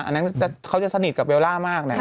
อันนั้นเขาจะสนิทกับเบลล่ามากนะ